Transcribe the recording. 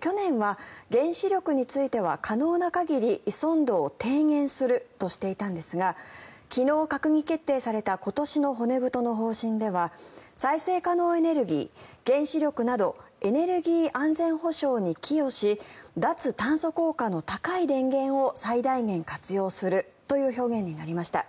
去年は原子力については可能な限り依存度を低減するとしていたんですが昨日閣議決定された今年の骨太の方針では再生可能エネルギー原子力などエネルギー安全保障に寄与し脱炭素効果の高い電源を最大限活用するという表現になりました。